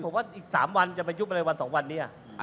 ผมว่าอีก๓วันจะไปยุบอะไรวัน๒วันนี้